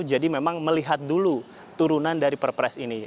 jadi memang melihat dulu turunan dari perpres ini